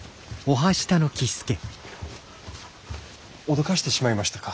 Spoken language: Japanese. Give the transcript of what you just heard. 脅かしてしまいましたか。